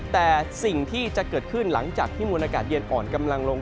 แต่สิ่งที่จะเกิดขึ้นหลังจากที่มวลอากาศเย็นอ่อนกำลังลง